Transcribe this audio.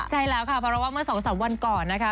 ใช่แล้วค่ะเพราะว่าเมื่อ๒๓วันก่อนนะคะ